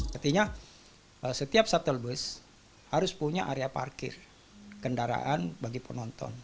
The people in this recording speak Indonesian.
shuttle bus harus punya area parkir kendaraan bagi penonton